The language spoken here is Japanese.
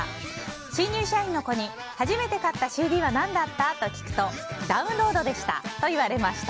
新入社員の子に初めて買ったＣＤは何だった？と聞くとダウンロードでしたと言われました。